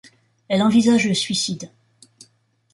Elle envisage le suicide.